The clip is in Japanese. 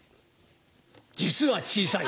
実は小さい。